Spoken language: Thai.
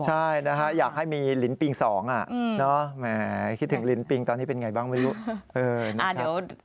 ใช่อยากให้มีลิ้นปิง๒คิดถึงลิ้นปิงตอนนี้เป็นอย่างไรบ้างไม่รู้